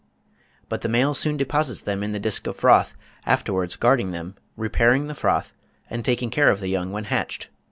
But the male soon deposits them in the disc of froth, afterwards guarding them, repairing the froth, and taking care of the young when hatched.